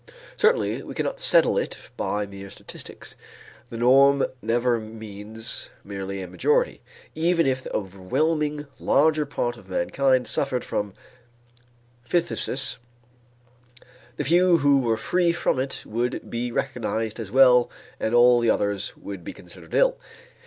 Certainly we cannot settle it by mere statistics. The norm never means merely a majority. Even if the overwhelmingly larger part of mankind suffered from phthisis, the few who were free from it would be recognized as well and all the others would be considered ill.